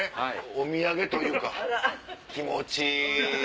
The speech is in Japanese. お土産というか気持ち。